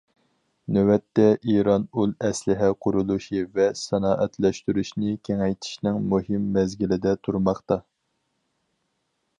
نۆۋەتتە ئىران ئۇل ئەسلىھە قۇرۇلۇشى ۋە سانائەتلەشتۈرۈشنى كېڭەيتىشنىڭ مۇھىم مەزگىلىدە تۇرماقتا.